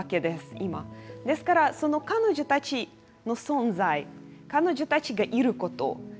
今ですからその彼女たちの存在彼女たちがいること